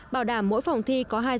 bảo đảm mỗi phòng thi có hai thí sinh